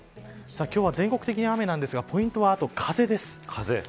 今日は全国的に雨なんですがポイントは風ですね。